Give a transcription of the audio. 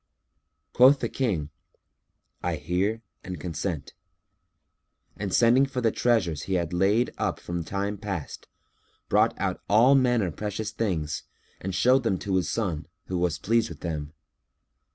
Quoth the King, "I hear and consent;" and sending for the treasures he had laid up from time past, brought out all manner precious things and showed them to his son, who was pleased with them.